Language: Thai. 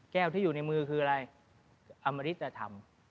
ที่อยู่ในมือคืออะไรอมริตธรรม